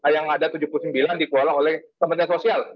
yang ada tujuh puluh sembilan dikelola oleh kementerian sosial